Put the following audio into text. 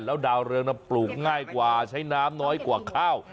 แล้วดาวเรืองปลูกง่ายกว่าใช้น้ำน้อยกว่าข้าว